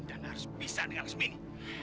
dan harus bisa dengan lasmini